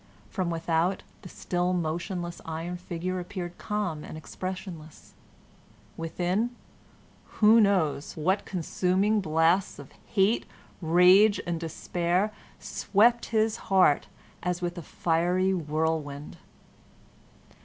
From without, the still motionless iron figure appeared calm and expressionless; within, who knows what consuming blasts of hate, rage, and despair swept his heart as with a fiery whirlwind.